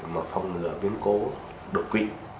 mở phòng ngửa biến cố đột quỵ